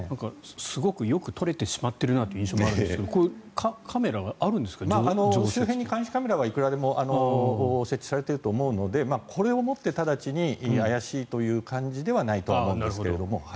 すごくよく撮れてしまっているなという印象があるんですが周辺に監視カメラはいくらでも設置されていると思うのでこれをもって直ちに怪しいという感じではないと思うんですけれども。